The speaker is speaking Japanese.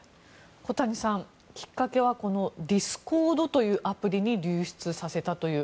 小谷さん、きっかけはディスコードというアプリに流出させたという。